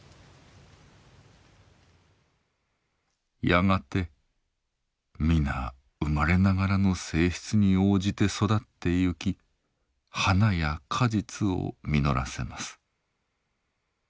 やがて皆生まれながらの性質に応じて育って行き花や果実を実らせます。